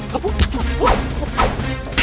seperti ada yang bertarung